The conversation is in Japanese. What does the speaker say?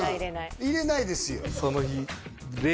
うん入れないですよ